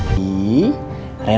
aku mau ke rumah